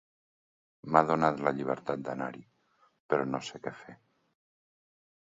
M'ha donat la llibertat d'anar-hi, però no sé què fer.